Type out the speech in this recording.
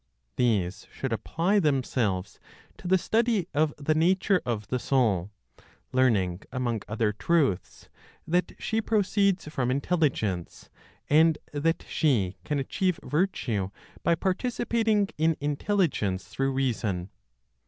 These should apply themselves to the study of the nature of the soul, learning, among other truths, that she proceeds from Intelligence, and that she can achieve virtue by participating in Intelligence through reason.